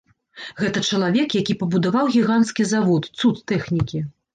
Гэта чалавек, які пабудаваў гіганцкі завод, цуд тэхнікі.